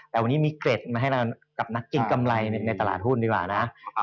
แต่วันนี้มีเกร็ดมาให้เรากับนักกินกำไรในตลาดหุ้นดีกว่านะ